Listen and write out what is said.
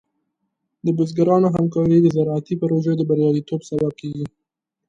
د بزګرانو همکاري د زراعتي پروژو د بریالیتوب سبب کېږي.